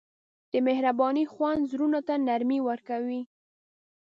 د مهربانۍ خوند زړونو ته نرمي ورکوي.